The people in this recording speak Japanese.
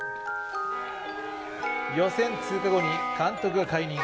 予選通過後に監督が解任。